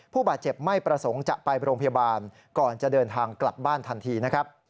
ผู้บาดเจ็บไม่ประสงค์จะไปโรงพยาบาลก่อนจะเดินทางกลับบ้านทันทีนะครับ